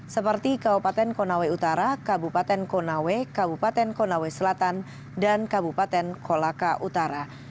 seperti kabupaten konawe utara kabupaten konawe kabupaten konawe selatan dan kabupaten kolaka utara